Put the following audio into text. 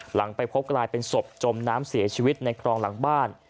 หลังไปพบกลายเป็นศพจมน้ำเสียชีวิตในคลองหลังบ้าน